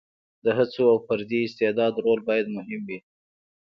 د هڅو او فردي استعداد رول باید مهم وي.